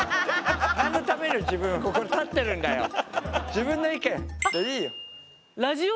自分の意見。